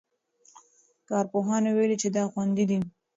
کارپوهانو ویلي چې دا خوندي دی.